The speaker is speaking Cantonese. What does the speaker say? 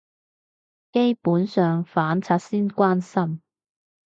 基本上反賊先關心